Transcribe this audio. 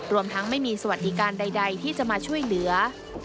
รวมทั้งไม่มีสวัสดิการใดที่จะมาช่วยเหลือ